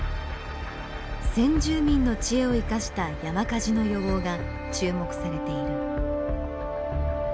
先住民の知恵を生かした山火事の予防が注目されている。